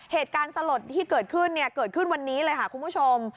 เหตุการณ์สลดที่เกิดขึ้นเนี่ยเกิดขึ้นวันนี้เลยค่ะคุณผู้ชม